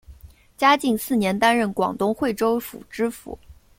嘉靖四年担任广东惠州府知府。